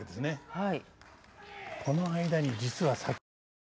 はい。